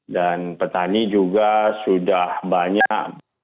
dan petani juga sudah banyak berpengaruh